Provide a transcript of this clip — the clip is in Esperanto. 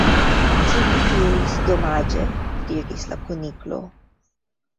"Ĉu vi diris 'Domaĝe'?" diris la Kuniklo.